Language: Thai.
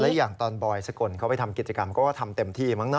และอย่างตอนบอยสกลเขาไปทำกิจกรรมเขาก็ทำเต็มที่มั้งนะ